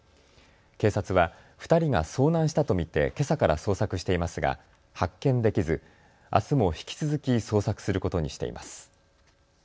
警察は２人が遭難したと見てけさから捜索していますが発見できずあすも引き続き捜索することにしています。